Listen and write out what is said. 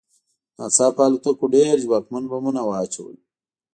ناڅاپه الوتکو ډېر ځواکمن بمونه واچول